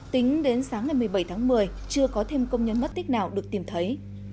tính đến sáng ngày một mươi bảy tháng một mươi chưa có thêm công nhân mất tích nào được tìm thấy